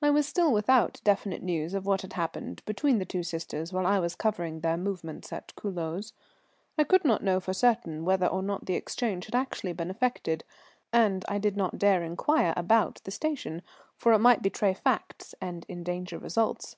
I was still without definite news of what had happened between the two sisters while I was covering their movements at Culoz. I could not know for certain whether or not the exchange had actually been effected, and I did not dare inquire about the station, for it might betray facts and endanger results.